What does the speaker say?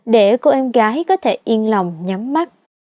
để cô em gái có thể yên lòng nhắm mắt